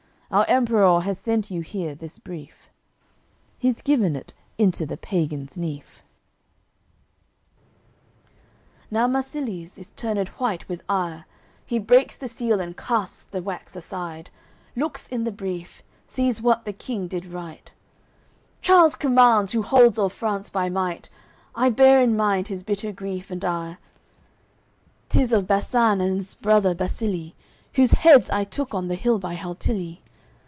Our Emperour has sent you here this brief." He's given it into the pagan's nief. XXXVII Now Marsilies, is turn'ed white with ire, He breaks the seal and casts the wax aside, Looks in the brief, sees what the King did write: "Charles commands, who holds all France by might, I bear in mind his bitter grief and ire; 'Tis of Basan and 's brother Basilye, Whose heads I took on th' hill by Haltilye.